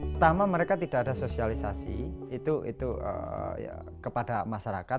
pertama mereka tidak ada sosialisasi itu kepada masyarakat